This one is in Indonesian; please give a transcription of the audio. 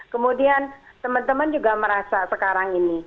kemudian teman teman juga merasa sekarang ini